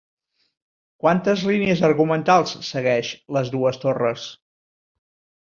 Quantes línies argumentals segueix 'Les dues torres'?